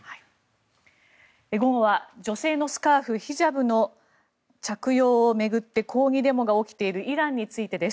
午後は女性のスカーフヒジャブの着用を巡って抗議デモが起きているイランについてです。